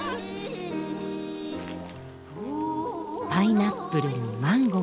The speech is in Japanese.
パイナップルにマンゴー。